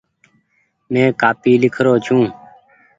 مينٚ ڪآپي لکرو ڇو